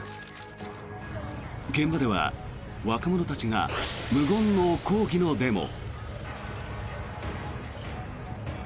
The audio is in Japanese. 現場では若者たちが無言の抗議のデモ。